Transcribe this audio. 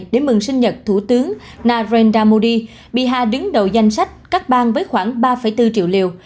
để mừng sinh nhật thủ tướng narendra modi biha đứng đầu danh sách các bang với khoảng ba bốn triệu liều